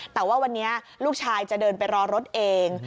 แต่ว่าวันนี้ลูกชายจะเดินไปรอรถเอง